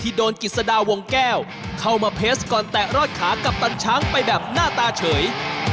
โดนกิจสดาวงแก้วเข้ามาเพจก่อนแตะรอดขากัปตันช้างไปแบบหน้าตาเฉย